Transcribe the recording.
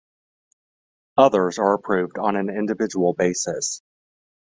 Others are approved on an individual basis.